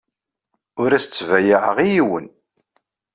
Ur as-ttbayaɛeɣ i yiwen.